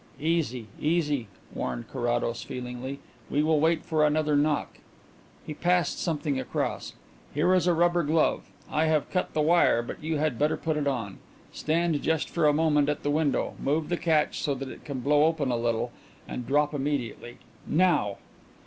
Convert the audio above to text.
"Easy, easy," warned Carrados feelingly. "We will wait for another knock." He passed something across. "Here is a rubber glove. I have cut the wire but you had better put it on. Stand just for a moment at the window, move the catch so that it can blow open a little, and drop immediately. Now."